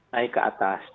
naik ke atas